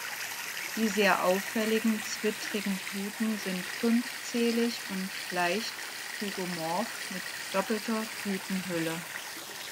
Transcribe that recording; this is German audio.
Die sehr auffälligen, zwittrigen Blüten sind fünfzählig und leicht zygomorph mit doppelter Blütenhülle.